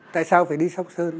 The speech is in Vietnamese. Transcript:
tại sao phải đi sóc sơn